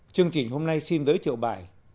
chương trình hôm nay xin giới triệu bài